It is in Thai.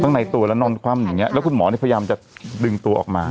ในตัวแล้วนอนคว่ำอย่างเงี้แล้วคุณหมอนี่พยายามจะดึงตัวออกมา